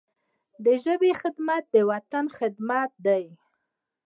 د ژبي خدمت، د وطن خدمت دی.